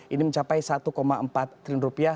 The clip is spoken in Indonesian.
ini mencapai satu empat triliun rupiah